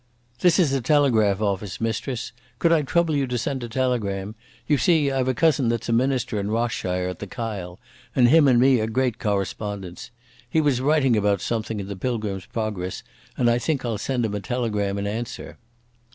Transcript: "This is a telegraph office, mistress. Could I trouble you to send a telegram? You see I've a cousin that's a minister in Ross shire at the Kyle, and him and me are great correspondents. He was writing about something in the Pilgrim's Progress and I think I'll send him a telegram in answer."